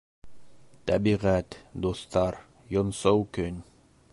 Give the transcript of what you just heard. Тәбиғәт, дуҫтар, йонсоу көн...